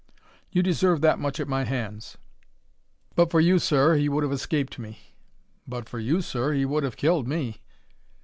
You deserve that much at my hands. But for you, sir, he would have escaped me." "But for you, sir, he would have killed me."